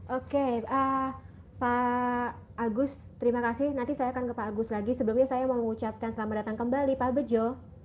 oke pak agus terima kasih nanti saya akan ke pak agus lagi sebelumnya saya mau mengucapkan selamat datang kembali pak bejo